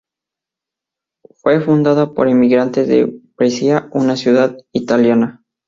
Fue fundada por emigrantes de Brescia, una ciudad italiana.